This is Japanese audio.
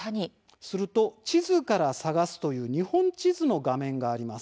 すると、「地図から探す」という日本地図の画面があります。